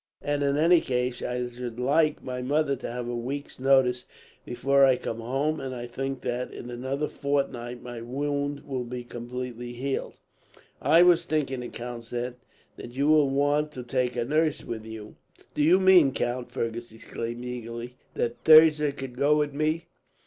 And in any case, I should like my mother to have a week's notice before I come home; and I think that, in another fortnight, my wound will be completely healed." "I was thinking," the count said, "that you will want to take a nurse with you." "Do you mean, count," Fergus exclaimed eagerly, "that Thirza could go with me?